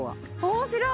面白い。